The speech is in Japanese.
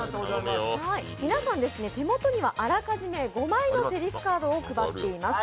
皆さん、手元にはあらかじめ５枚のせりふカードを配っています。